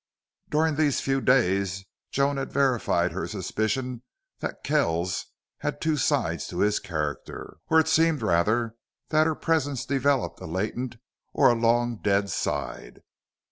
During these few days Joan had verified her suspicion that Kells had two sides to his character; or it seemed, rather, that her presence developed a latent or a long dead side.